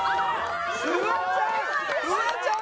フワちゃん！